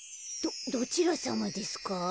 どちらさまですか？